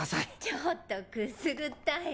ちょっとくすぐったい。